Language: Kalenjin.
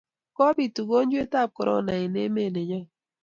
kobit ugojwet ab korona eng emet nenyon